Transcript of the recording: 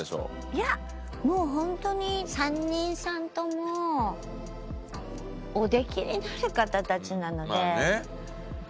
いやもう本当に３人さんともおできになる方たちなので私